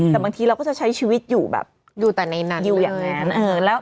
แต่บางทีเราก็จะใช้ชีวิตอยู่แบบอยู่อย่างนั้น